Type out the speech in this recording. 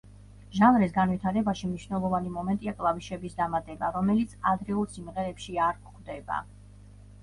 ჟანრის განვითარებაში მნიშვნელოვანი მომენტია კლავიშების დამატება, რომელიც ადრეულ სიმღერებში არ გვხვდება.